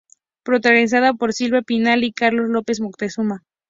Protagonizada por Silvia Pinal y Carlos López Moctezuma.